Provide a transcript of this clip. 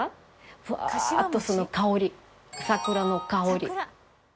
ふわーっとその香り桜の香り。